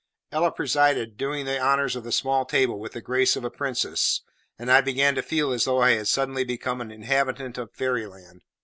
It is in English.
Ella presided, doing the honours of the small table with the grace of a princess, and I began to feel as though I had suddenly become an inhabitant of fairy land.